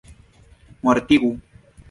mortigu